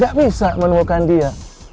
gak bisa menemukan dia